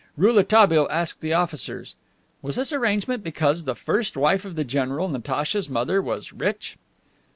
Rouletabille asked the officers, "Was this arrangement because the first wife of the general, Natacha's mother, was rich?"